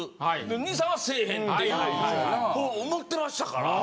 兄さんはせえへんっていうもう思ってましたから。